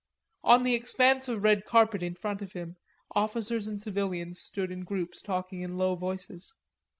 On the expanse of red carpet in front of him officers and civilians stood in groups talking in low voices.